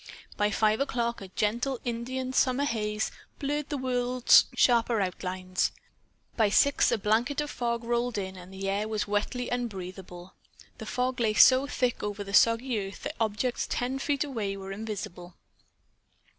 By five o'clock a gentle India summer haze blurred the world's sharper outlines. By six a blanket fog rolled in, and the air was wetly unbreatheable. The fog lay so thick over the soggy earth that objects ten feet away were invisible.